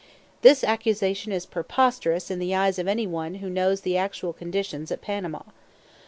This accusation is preposterous in the eyes of any one who knows the actual conditions at Panama.